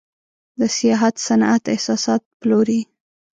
د سیاحت صنعت احساسات پلوري.